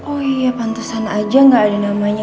oh iya pantasan aja gak ada namanya